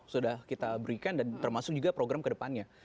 sudah kita berikan dan termasuk juga program kedepannya